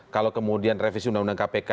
kalau kemudian revisi undang undang kpk